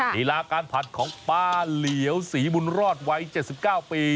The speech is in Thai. รีลาการผัดของปลาเหลวศรีมุนรอดไว้๗๙ปี